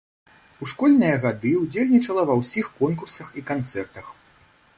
У школьныя гады ўдзельнічала ва ўсіх конкурсах і канцэртах.